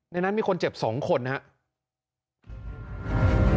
ในนั้นมีคนเจ็บ๒คนนะครับ